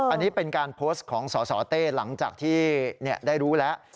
อันนี้เป็นการโพสต์ของสสเต้หลังจากที่ได้รู้แล้ว